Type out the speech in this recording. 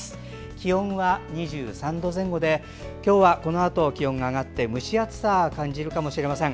気温は２３度前後で今日はこのあと、気温が上がって蒸し暑さを感じるかもしれません。